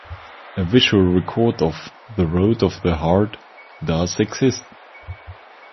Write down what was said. A visual record of "The Road to the Heart" does exist.